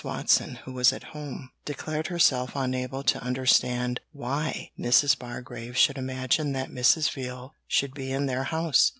Watson, who was at home, declared herself unable to understand why Mrs. Bargrave should imagine that Mrs. Veal should be in their house.